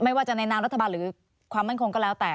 ว่าจะในนามรัฐบาลหรือความมั่นคงก็แล้วแต่